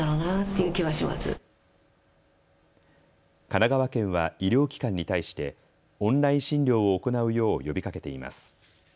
神奈川県は医療機関に対してオンライン診療を行うよう呼びかけています。